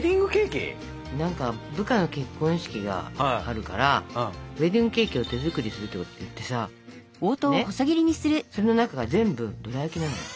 部下の結婚式があるからウエディングケーキを手作りするって言ってさその中が全部どら焼きなのよ。